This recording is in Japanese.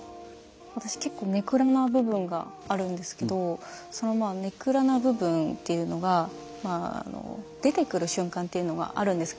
私結構根暗な部分があるんですけどその根暗な部分っていうのが出てくる瞬間っていうのがあるんですよ